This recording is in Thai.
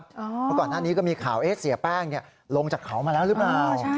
เพราะก่อนหน้านี้ก็มีข่าวเสียแป้งลงจากเขามาแล้วหรือเปล่า